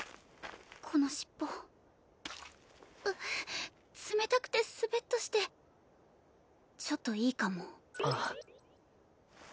この尻尾うう冷たくてスベッとしてちょっといいかもあっ！